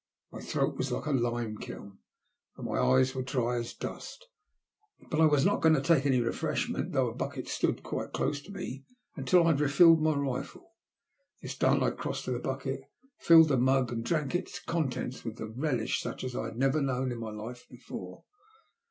My throat was like a lime kiln, and my eyes were dry as dust. But I was not going to take any refreshment, though a bucket stood quite close to me, until I had refilled my rifle. This done, I crossed to the bucket, filled the mug and drank its contents with a relish such as I had never known in my life before.